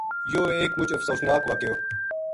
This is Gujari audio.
یوہ ایک مُچ افسوس ناک واقعو